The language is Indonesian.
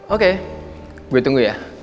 oke gue tunggu ya